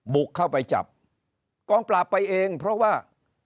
บุกเข้าไปจับกองปราบไปเองเพราะว่า